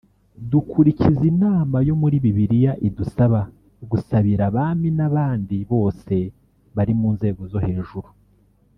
dukurikiza inama yo muri Bibiliya idusaba ‘gusabira abami n’abandi bose bari mu nzego zo hejuru